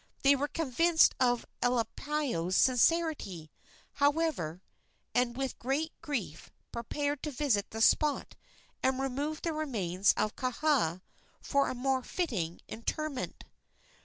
They were convinced of Elepaio's sincerity, however, and with great grief prepared to visit the spot and remove the remains of Kaha for more fitting interment.